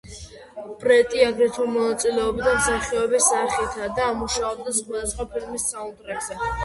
პრეტი აგრეთვე მონაწილეობდა მსახიობის სახით და მუშაობდა სხვადასხვა ფილმის საუნდტრეკზე.